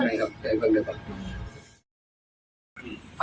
พี่แนนนครับ